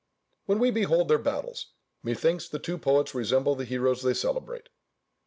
When we behold their battles, methinks the two poets resemble the heroes they celebrate.